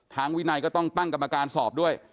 วินัยก็ต้องตั้งกรรมการสอบด้วย